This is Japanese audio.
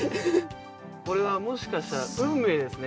これはもしかしたら運命です